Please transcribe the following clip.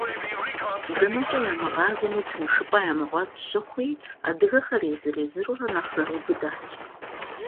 Дэнэкӏэ ямыгъэзами тыншыпӏэ ямыгъуэт щыхъуи, адыгэхэр езыр-езырурэ нэхъ зэрыубыдащ.